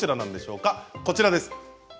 こちらです。